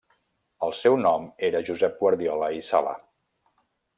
El seu nom era Josep Guardiola i Sala.